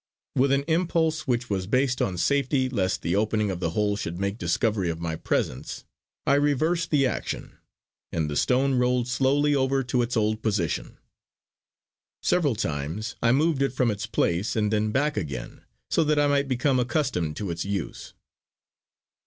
With an impulse which was based on safety, lest the opening of the hole should make discovery of my presence, I reversed the action; and the stone rolled slowly over to its old position. Several times I moved it from its place and then back again, so that I might become accustomed to its use.